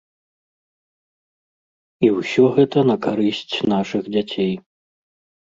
І ўсё гэта на карысць нашых дзяцей.